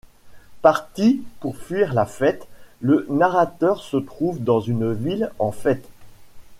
Parti pour fuir la fête, le narrateur se retrouve dans une ville...en fête.